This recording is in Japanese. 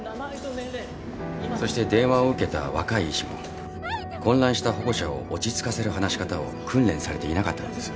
そして電話を受けた若い医師も混乱した保護者を落ち着かせる話し方を訓練されていなかったのです。